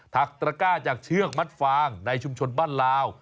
ักตระก้าจากเชือกมัดฟางในชุมชนบ้านลาว